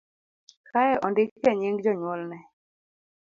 kae ondike nying' jonyuolne